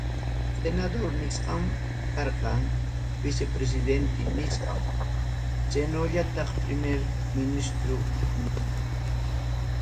Senador nisqam karqa, vicepresidente nisqam, chaynallataq primer ministros nsqam.